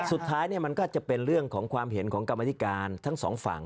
สุดท้ายมันก็จะเป็นเรื่องของความเห็นของกรรมธิการทั้งสองฝั่ง